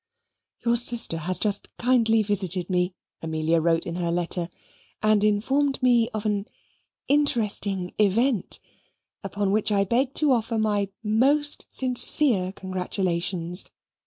"Your sister has just kindly visited me," Amelia wrote in her letter, "and informed me of an INTERESTING EVENT, upon which I beg to offer my MOST SINCERE CONGRATULATIONS.